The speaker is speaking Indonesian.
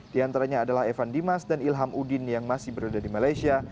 di antaranya adalah evan dimas dan ilham udin yang masih berada di malaysia